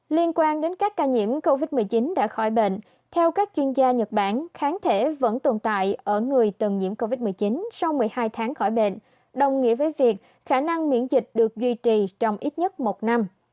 liên quan đến các ca nhiễm covid một mươi chín đã khỏi bệnh theo các chuyên gia nhật bản kháng thể vẫn tồn tại ở người từng nhiễm covid một mươi chín sau một mươi hai tháng khỏi bệnh đồng nghĩa với việc khả năng miễn dịch được duy trì trong ít nhất một năm